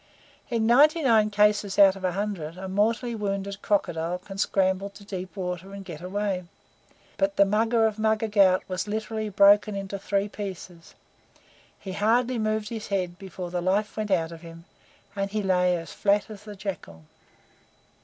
In ninety nine cases out of a hundred a mortally wounded crocodile can scramble to deep water and get away; but the Mugger of Mugger Ghaut was literally broken into three pieces. He hardly moved his head before the life went out of him, and he lay as flat as the Jackal.